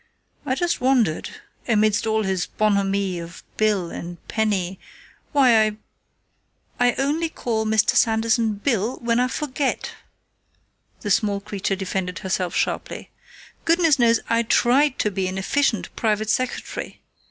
"I just wondered, amidst all this bonhommie of 'Bill' and 'Penny,' why I " "I only call Mr. Sanderson 'Bill' when I forget!" the small creature defended herself sharply. "Goodness knows I try to be an efficient private secretary!